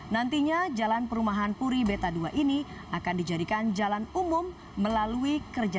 nantinya jalan perumahan puri beta dua ini akan dijadikan jalan umum melalui kerjaan